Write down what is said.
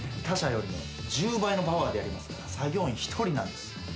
他社よりも１０倍のパワーでやりますから作業員１人なんですよ。